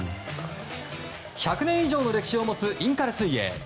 １００年以上の歴史を持つインカレ水泳。